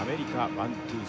ワンツー